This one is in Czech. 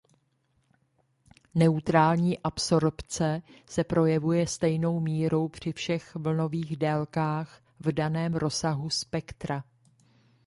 Neutrální absorpce se projevuje stejnou mírou při všech vlnových délkách v daném rozsahu spektra.